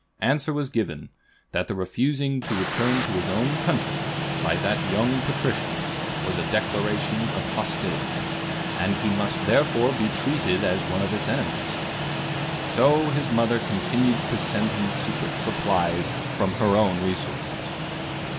Answer was given, that the refusing to return to his own country, by the young patrician, was a declaration of hostility; and he must therefore be treated as one of its enemies. So his mother continued to send him secret supplies from her own resources.